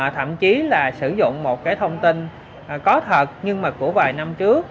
thậm chí là sử dụng một cái thông tin có thật nhưng mà của vài năm trước